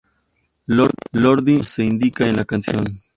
Lordi, como se indica en la canción.